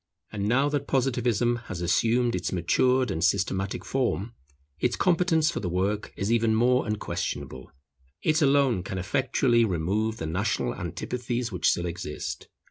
And now that Positivism has assumed its matured and systematic form, its competence for the work is even more unquestionable. It alone can effectually remove the national antipathies which still exist.